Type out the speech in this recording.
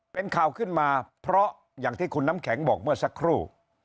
เป็นข่าวขึ้นมาเพราะอย่างที่คุณน้ำแข็งบอกเมื่อสักครู่